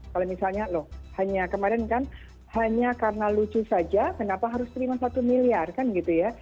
kalau misalnya loh hanya kemarin kan hanya karena lucu saja kenapa harus terima satu miliar kan gitu ya